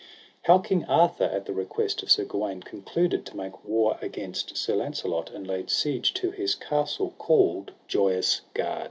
How King Arthur at the request of Sir Gawaine concluded to make war against Sir Launcelot, and laid siege to his castle called Joyous Gard.